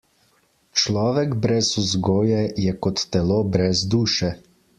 Človek brez vzgoje je kot telo brez duše.